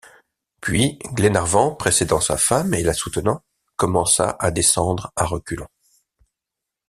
Puis Glenarvan, précédant sa femme et la soutenant, commença à descendre à reculons.